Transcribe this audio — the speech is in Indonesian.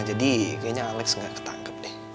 jadi kayaknya alex gak ketangkep deh